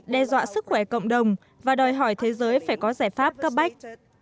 đe dọa sức khỏe cộng đồng và đòi hỏi thế giới phải có giải pháp cấp bách